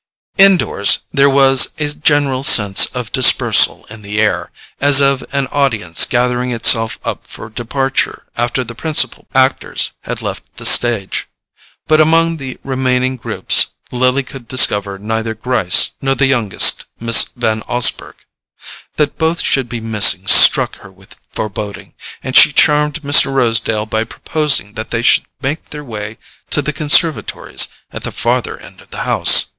Indoors there was a general sense of dispersal in the air, as of an audience gathering itself up for departure after the principal actors had left the stage; but among the remaining groups, Lily could discover neither Gryce nor the youngest Miss Van Osburgh. That both should be missing struck her with foreboding; and she charmed Mr. Rosedale by proposing that they should make their way to the conservatories at the farther end of the house.